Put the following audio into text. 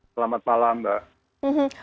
selamat malam mbak